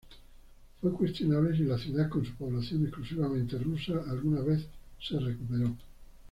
Fue cuestionable si la ciudad, con su población exclusivamente rusa, alguna vez se recuperó.